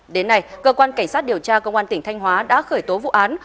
đến nay cơ quan cảnh sát điều tra công an tỉnh thanh hóa đã khởi tố vụ án